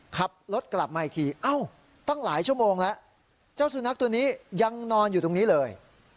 ขับรถกลับมาอีกทีเอ้าตั้งหลายชั่วโมงแล้วเจ้าสุนัขตัวนี้ยังนอนอยู่ตรงนี้เลย